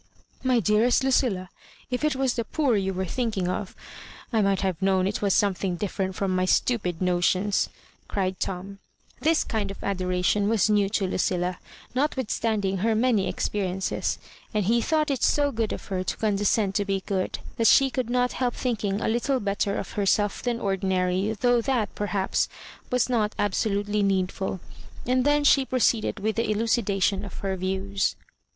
" My dearest Lucilla, if it was the poor you were thinking of! — ^I might have known it was eomething d&drent from my stupid notions," cried TouL This kind of adoration was new to Lucilla^ notwithstanding her many expe riences. And he thought it so good d her to condescend to be good, that she could not help thinking a little better of herself than ordinary, though that, perhaps, was not absolutely need ful; and then she proceeded with the elucida tion of her views.